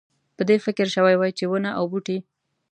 په دې فکر شوی وای چې ونه او بوټی.